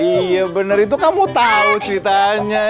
iya benar itu kamu tahu ceritanya